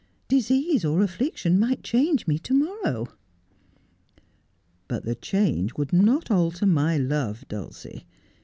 Disease or affliction might change me to morrow.' ' But the change would not alter my love, Dulcie.